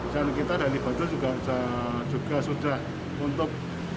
dan kita dari bajo juga sudah untuk